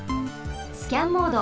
スキャンモード。